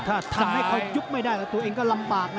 ถ้าทันให้เขายุบไม่ได้สิตัวเองลำบากนะ